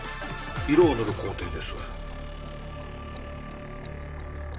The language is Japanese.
色を塗る工程です